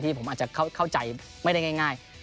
ผมอาจจะเข้าใจไม่ได้ง่าย